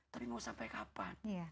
tapi mau sampai kapan